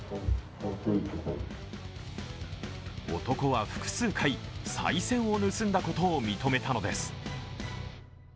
男は複数回さい銭を盗んだことを認めたのです。